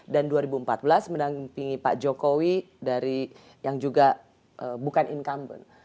dan dua ribu empat belas mendampingi pak jokowi yang juga bukan incumbent